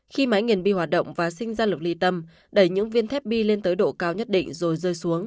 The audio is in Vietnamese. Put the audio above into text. khi máy nghiền đi hoạt động và sinh ra lục ly tâm đẩy những viên thép bi lên tới độ cao nhất định rồi rơi xuống